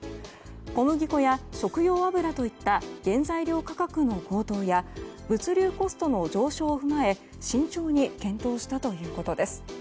小麦粉や食用油といった原材料価格の高騰や物流コストの上昇を踏まえ慎重に検討したということです。